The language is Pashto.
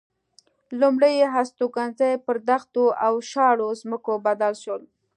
لومړ هستوګنځي پر دښتو او شاړو ځمکو بدل شول.